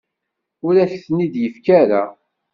Ur ak-ten-id-yefki ara.